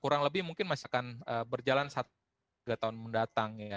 kurang lebih mungkin masih akan berjalan satu tiga tahun mendatang ya